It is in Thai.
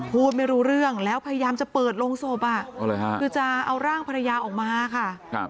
พูดไม่รู้เรื่องแล้วพยายามจะเปิดโรงศพคือจะเอาร่างภรรยาออกมาค่ะ